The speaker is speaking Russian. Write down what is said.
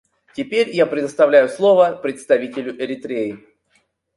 Теперь я предоставляю слово представителю Эритреи.